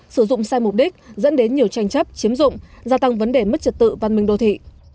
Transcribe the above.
sử dụng sai mục đích dẫn đến nhiều tranh chấp chiếm dụng gia tăng vấn đề mất trật tự văn minh đô thị